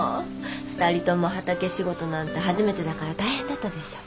２人とも畑仕事なんて初めてだから大変だったでしょう。